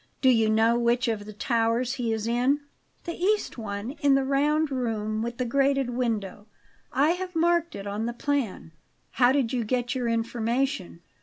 "Do you know which of the towers he is in?" "The east one, in the round room with the grated window. I have marked it on the plan." "How did you get your information?"